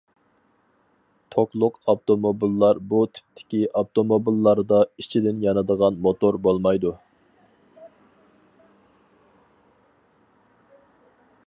توكلۇق ئاپتوموبىللار بۇ تىپتىكى ئاپتوموبىللاردا ئىچىدىن يانىدىغان موتور بولمايدۇ.